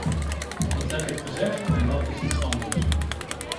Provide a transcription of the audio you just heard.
Dat heb ik gezegd en dat is iets anders.